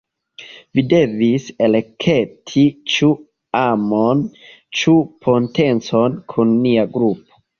Vi devis elekti ĉu amon, ĉu potencon kun nia grupo.